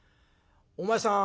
お前さん